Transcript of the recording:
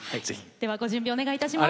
ではご準備お願いいたします。